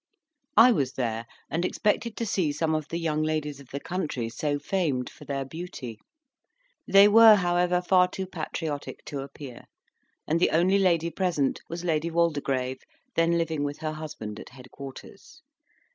I was there, and expected to see some of the young ladies of the country so famed for their beauty; they were, however, far too patriotic to appear, and the only lady present was Lady Waldegrave, then living with her husband at head quarters.